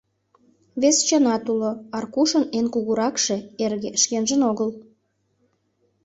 Вес чынат уло: Аркушын эн кугуракше, эрге, шкенжын огыл.